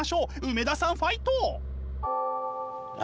梅田さんファイト！